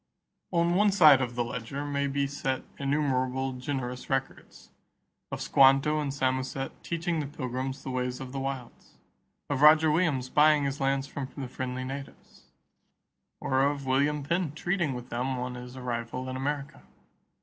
On one side of the ledger may be set innumerable generous records of Squanto and Samoset teaching the Pilgrims the ways of the wilds; of Roger Williams buying his lands from the friendly natives; or of William Penn treating with them on his arrival in America.